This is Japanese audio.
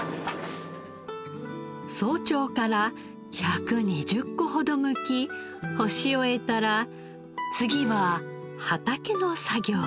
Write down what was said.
早朝から１２０個ほどむき干し終えたら次は畑の作業へ。